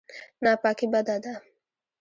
ناپاکي بده ده.